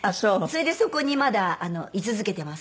それでそこにまだ居続けてます。